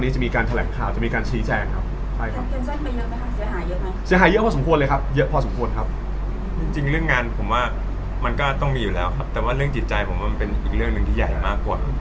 จริงเรื่องงานผมว่ามันก็ต้องมีอยู่แล้วครับแต่ว่าเรื่องจิตใจผมว่ามันเป็นอีกเรื่องหนึ่งที่ใหญ่มากกว่า